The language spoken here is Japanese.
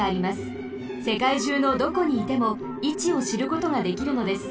せかいじゅうのどこにいてもいちをしることができるのです。